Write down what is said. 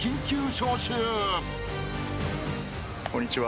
こんにちは。